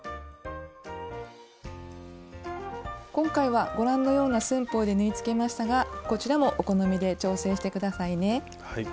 今回はご覧のような寸法で縫いつけましたがこちらもお好みで調整して下さいね。